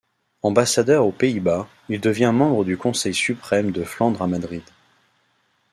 Ambassadeur aux Pays-Bas, il devient membre du conseil suprême de Flandre à Madrid.